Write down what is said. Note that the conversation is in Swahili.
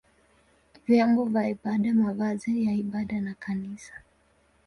vyombo vya ibada, mavazi ya ibada na kanisa.